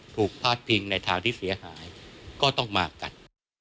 พาดพิงในทางที่เสียหายก็ต้องมากัน